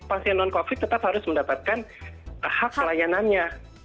pasien non covid tetap harus mendapatkan hak layanannya